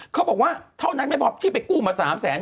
เขาบอกว่าเท่านั้นไม่พอที่ไปกู้มา๓แสน